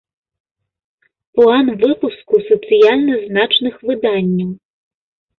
План выпуску сацыяльна значных выданняў